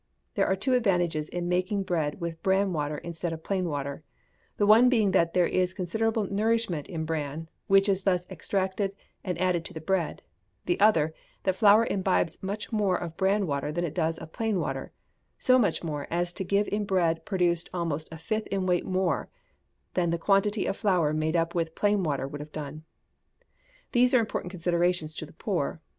There are two advantages in making bread with bran water instead of plain water; the one being that there is considerable nourishment in bran, which is thus extracted and added to the bread; the other, that flour imbibes much more of bran water than it does of plain water; so much more, as to give in the bread produced almost a fifth in weight more than the quantity of flour made up with plain water would have done. These are important considerations to the poor.